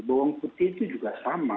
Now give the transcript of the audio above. bawang putih itu juga sama